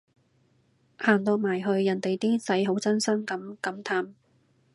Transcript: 行到埋去人哋啲仔好真心噉感嘆